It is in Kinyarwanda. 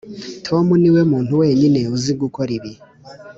tom niwe muntu wenyine uzi gukora ibi.